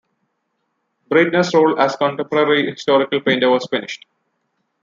Breitner's role as contemporary historical painter was finished.